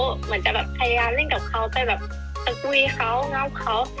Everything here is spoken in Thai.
เหมือนจะพยายามเล่นกับเขาไปสกุยเขางับเขา